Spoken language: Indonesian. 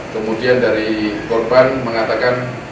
kemudian dari korban mengatakan